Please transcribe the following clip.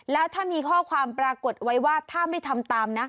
แล้วถ้ามีข้อความปรากฏไว้ว่าถ้าไม่ทำตามนะ